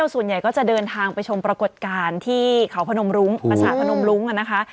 ส่วนใหญ่ก็จะเดินทางไปชมปรากฏการณ์ที่เขาพนมรุ้งประสาทพนมรุ้งนะคะ